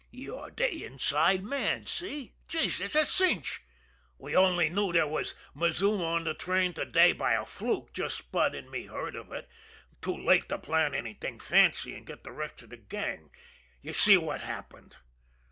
"You're de inside man, see? Gee it's a cinch! We only knew there was mazuma on de train to day by a fluke, just Spud an' me heard of it, too late to plan anything fancy an' get de rest of de gang. You see what happened?